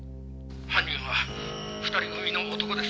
「犯人は２人組の男です」